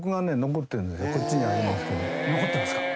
「残ってますか」